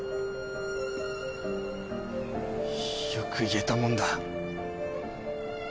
よく言えたもんだ。